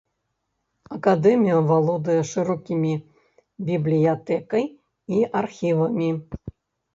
Акадэмія валодае шырокімі бібліятэкай і архівамі.